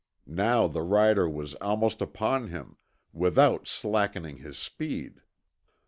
Now the rider was almost upon him, without slackening his speed.